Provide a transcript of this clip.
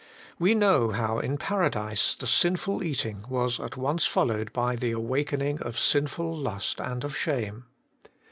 We know how in Paradise the sinful eating was at once followed by the awakening of sinful lust and of shame.